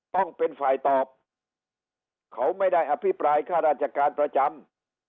ต้องเป็นฝ่ายตอบเขาไม่ได้อภิปรายข้าราชการประจำ